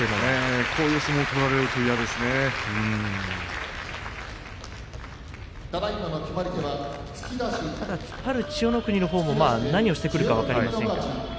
こういう相撲をただ突っ張る千代の国のほうも何をしてくるか分かりません。